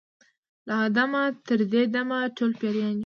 له آدمه تر دې دمه ټول پیران یو